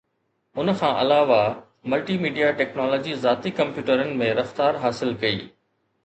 ان کان علاوه، multi media technology ذاتي ڪمپيوٽرن ۾ رفتار حاصل ڪئي